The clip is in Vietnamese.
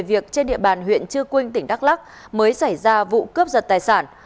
việc trên địa bàn huyện chư quynh tỉnh đắc lắc mới xảy ra vụ cướp giật tài sản